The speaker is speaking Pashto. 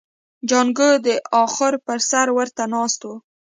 جانکو د اخور پر سر ورته ناست و.